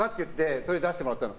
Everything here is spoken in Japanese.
それで出してもらったの。